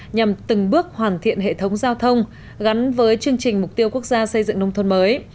nhằm từng bước hoàn thiện hệ thống giao thông gắn với chương trình mục tiêu quốc gia xây dựng nông thôn mới